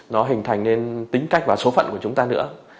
nó hình thành nên tính cách và số phận của chúng ta nữa